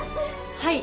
はい。